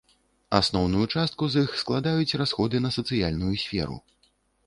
Асноўную частку з іх складаюць расходы на сацыяльную сферу.